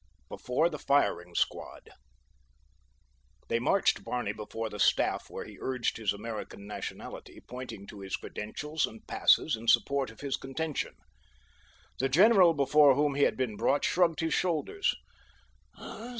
BEFORE THE FIRING SQUAD They marched Barney before the staff where he urged his American nationality, pointing to his credentials and passes in support of his contention. The general before whom he had been brought shrugged his shoulders.